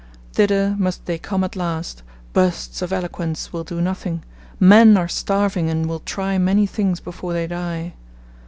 Thither must they come at last, 'bursts of eloquence' will do nothing; men are starving and will try many things before they die.